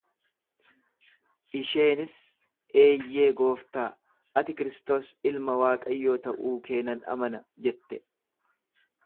Isheenis, Eeyyee Gooftaa, ati Kristos Ilma Waaqayyoo ta'uu kee nan amana jette.